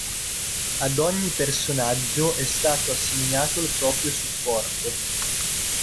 Ad ogni personaggio è stato assegnato il proprio supporto.